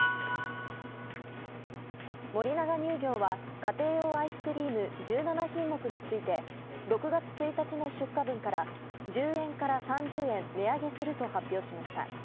森永乳業は家庭用アイスクリーム１７品目について６月１日の出荷分から１０円から３０円値上げすると発表しました。